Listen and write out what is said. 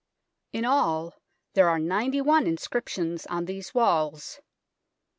In all, there are ninety one inscriptions on these walls.